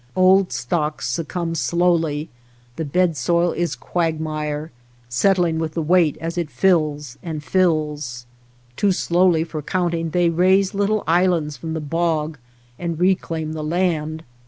Old stalks succumb slowly ; the bed soil is quag mire, settling with the weight as it fills 240 OTHER WATER BORDERS and fills. Too slowly for counting they raise little islands from the bog and reclaim the land.